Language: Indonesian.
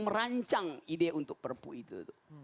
merancang ide untuk perpu itu